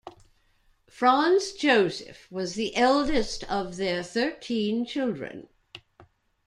Franz Josef was the eldest of their thirteen children.